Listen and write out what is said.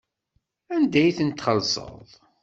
Anda ay tent-txellṣeḍ?